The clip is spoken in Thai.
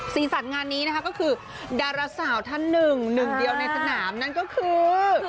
สีสันงานนี้นะคะก็คือดาราสาวท่านหนึ่งหนึ่งเดียวในสนามนั่นก็คือ